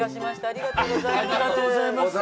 ありがとうございます。